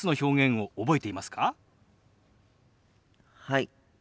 はい。